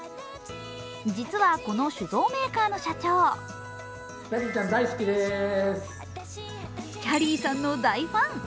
実はこの酒造メーカーの社長きゃりーさんの大ファン。